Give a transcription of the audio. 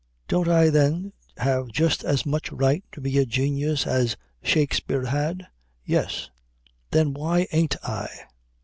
"Don't I then have just as much right to be a genius as Shakespeare had?" "Yes." "Then why ain't I?"